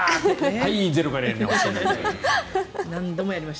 はい、ゼロからやり直しって。